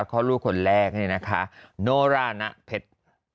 พ่อลูกคนแรกนี่นะคะโนรานะเพชร